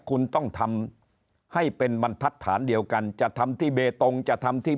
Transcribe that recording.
คุณต้องทำให้เป็นบรรทัศน์เดียวกันจะทำที่เบตงจะทำที่